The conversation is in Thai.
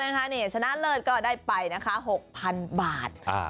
น้องหาญสู้ชนะเลิศก็ได้ไป๖๐๐๐บาท